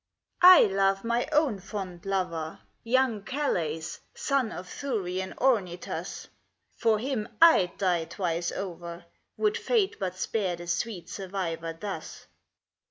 L. I love my own fond lover, Young Calais, son of Thurian Ornytus: For him I'd die twice over, Would Fate but spare the sweet survivor thus.